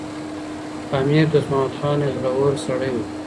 امیر دوست محمد خان یو زړور سړی و.